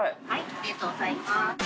ありがとうございます。